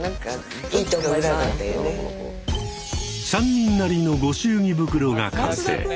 ３人なりの御祝儀袋が完成。